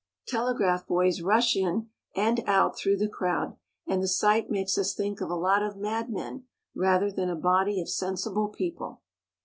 Telegraph boys rush in and out through the crowd, and the sight makes us think of a lot of madmen rather than a body of sensible people.